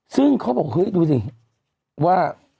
ซึ่งเขาบอกเฮ้ยดูสิว่า